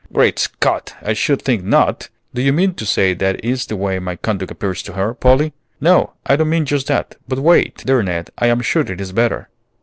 "Great Scott! I should think not! Do you mean to say that is the way my conduct appears to her, Polly?" "No, I don't mean just that; but wait, dear Ned, I am sure it is better."